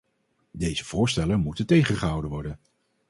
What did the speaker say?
Deze voorstellen moeten tegengehouden worden.